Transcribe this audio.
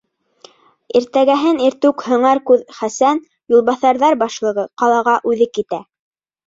Иртәгәһен иртүк һыңар күҙ Хәсән, юлбаҫарҙар башлығы, ҡалаға үҙе китә.